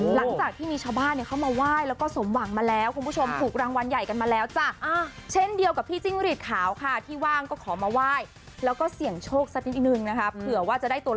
หลังจากที่มีชาวบ้านเข้ามาไหว้แล้วก็สมหวังมาแล้วคุณผู้ชมถูกรางวัลใหญ่กันมาแล้วจ้ะ